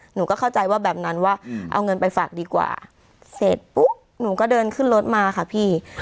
หนูก็เข้าใจว่าแบบนั้นว่าเอาเงินไปฝากดีกว่าเสร็จปุ๊บหนูก็เดินขึ้นรถมาค่ะพี่